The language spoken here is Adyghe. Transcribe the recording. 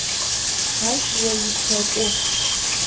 Ащ о уиуплъэкӏугъ.